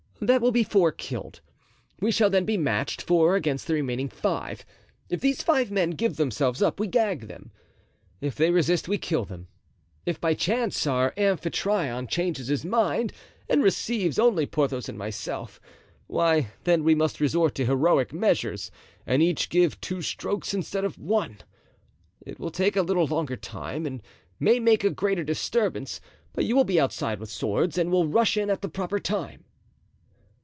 That will be four killed. We shall then be matched, four against the remaining five. If these five men give themselves up we gag them; if they resist, we kill them. If by chance our Amphitryon changes his mind and receives only Porthos and myself, why, then, we must resort to heroic measures and each give two strokes instead of one. It will take a little longer time and may make a greater disturbance, but you will be outside with swords and will rush in at the proper time."